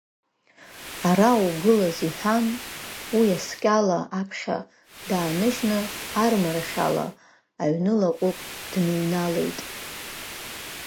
Ара угылаз, — иҳәан, уи асқьала аԥхьа дааныжьны армарахь ала, ҩны-лаҟәык дныҩналеит.